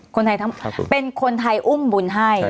คนไทยทั้งเป็นคนไทยอุ้มบุญให้